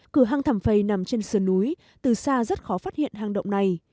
cửa hang thảm phầy nằm trên sườn núi từ xa rất khó phát hiện hang động này